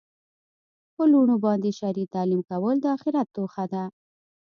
په لوڼو باندي شرعي تعلیم کول د آخرت توښه ده